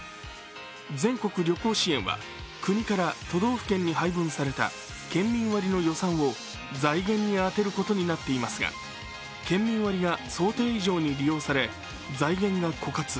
全国旅行支援は、国から都道府県に配分された県民割の予算を財源に充てることになっていますが、県民割が想定以上に利用され財源が枯渇。